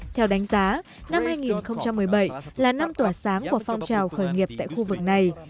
theo đánh giá năm hai nghìn một mươi bảy là năm tỏa sáng của phong trào khởi nghiệp tại khu vực này